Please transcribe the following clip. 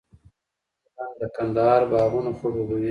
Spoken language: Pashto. د دهلې بند د کندهار باغونه خړوبوي.